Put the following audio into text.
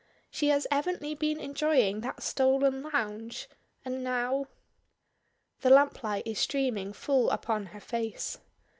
She has evidently been enjoying that stolen lounge, and now The lamplight is streaming full upon her face.